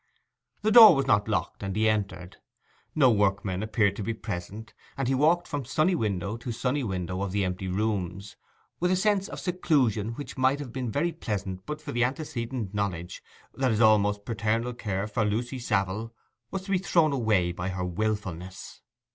The door was not locked, and he entered. No workmen appeared to be present, and he walked from sunny window to sunny window of the empty rooms, with a sense of seclusion which might have been very pleasant but for the antecedent knowledge that his almost paternal care of Lucy Savile was to be thrown away by her wilfulness.